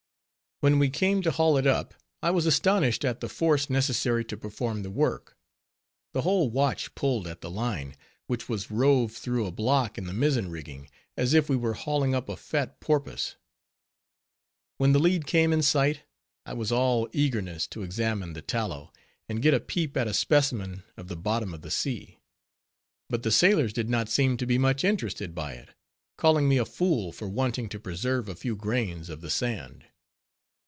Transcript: When we came to haul it up, I was astonished at the force necessary to perform the work. The whole watch pulled at the line, which was rove through a block in the mizzen rigging, as if we were hauling up a fat porpoise. When the lead came in sight, I was all eagerness to examine the tallow, and get a peep at a specimen of the bottom of the sea; but the sailors did not seem to be much interested by it, calling me a fool for wanting to preserve a few grains of the sand.